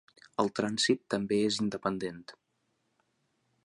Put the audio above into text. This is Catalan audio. El trànsit també és independent.